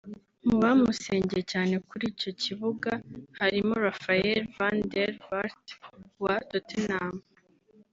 Mu bamusengeye cyane kuri icyo kibuga harimo Rafael van Der vaart wa Tottenham